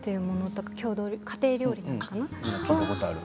家庭料理なのかな？